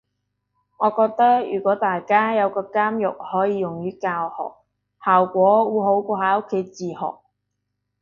我覺得如果大家有個監獄可以用於教學，效果會好過喺屋企自學